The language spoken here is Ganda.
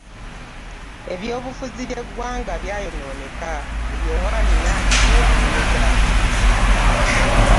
Eby'obufuzi by'eggwanga byayonooneka buli omu alina bye yeenoonyeza.